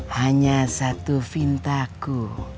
hanya satu pintaku